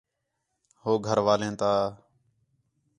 ہو گھر والیں تا